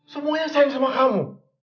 semuanya saing sama kamu